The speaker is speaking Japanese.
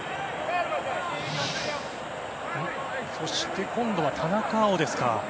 そして、今度は田中碧ですか。